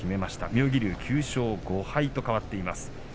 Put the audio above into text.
妙義龍は９勝５敗と変わっています。